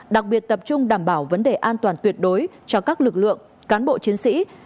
đặc biệt tập trung đảm bảo vấn đề an toàn tuyệt đối cho các lực lượng cán bộ chiến sĩ